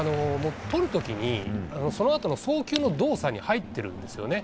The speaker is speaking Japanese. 捕るときに、そのあとの送球の動作に入ってるんですよね。